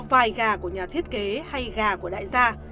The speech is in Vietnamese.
vài gà của nhà thiết kế hay gà của đại gia